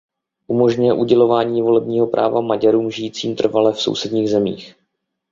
Umožňuje udělování volebního práva Maďarům žijícím trvale v sousedních zemích.